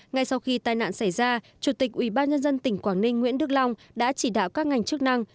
ngay sau khi tai nạn xảy ra chủ tịch ubnd tỉnh quảng ninh nguyễn đức long đã chỉ đạo các ngành chức năng